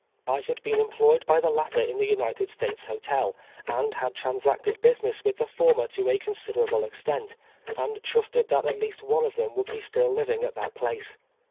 I had been employed by the latter in the United States Hotel, and had transacted business with the former to a considerable extent, and trusted that at least one of them would be still living at that place.